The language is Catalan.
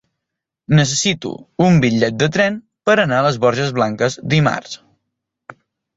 Necessito un bitllet de tren per anar a les Borges Blanques dimarts.